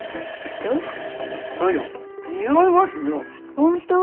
本当？